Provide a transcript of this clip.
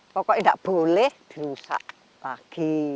pokoknya tidak boleh dirusak lagi